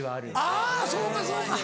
あぁそうかそうか。